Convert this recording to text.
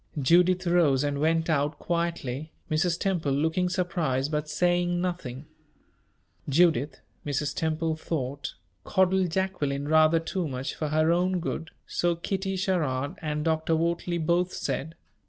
Judith rose and went out quietly, Mrs. Temple looking surprised, but saying nothing. Judith, Mrs. Temple thought, coddled Jacqueline rather too much for her own good, so Kitty Sherrard and Dr. Wortley both said.